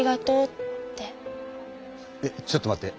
えちょっと待って。